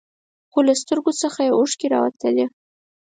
خو د سترګو څخه یې اوښکې راوتلې.